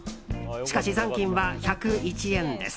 しかし、残金は１０１円です。